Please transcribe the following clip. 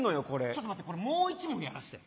ちょっと待ってこれもう１問やらして。